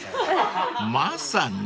［まさに］